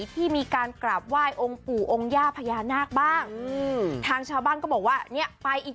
แถวเนี่ย